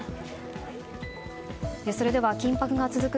それでは緊迫が続く